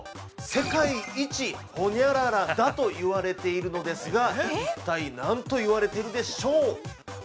世界一ホニャララだと言われているのですが一体何と言われているのでしょう。